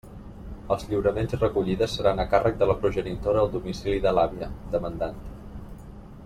Els lliuraments i recollides seran a càrrec de la progenitora al domicili de l'àvia, demandant.